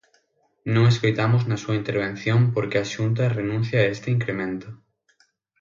Non escoitamos na súa intervención por que a Xunta renuncia a este incremento.